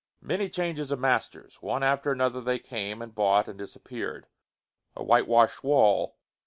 Many changes of masters! One after another they came and bought and disappeared. A whitewashed wall.